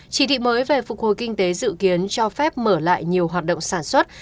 chỉ thị mới về phục hồi kinh tế dự kiến cho phép mở lại nhiều hoạt động sản xuất